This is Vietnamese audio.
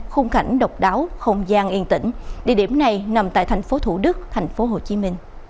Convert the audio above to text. khung cảnh độc đáo không gian yên tĩnh địa điểm này nằm tại tp thủ đức tp hcm